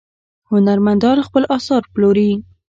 هنرمندان خپل اثار پلوري.